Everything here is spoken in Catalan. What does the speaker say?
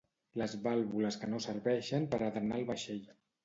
Les vàlvules que no serveixen per a drenar el vaixell.